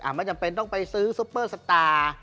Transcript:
ไม่จำเป็นต้องไปซื้อซุปเปอร์สตาร์